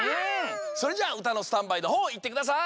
それじゃあうたのスタンバイのほういってください。